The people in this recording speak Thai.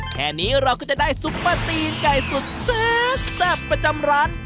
แค่นี้เราก็จะได้ซุปเปอร์ตีนไก่สุดแซ่บประจำร้าน